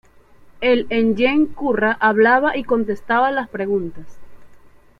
El ngen-kurra hablaba y contestaba las preguntas.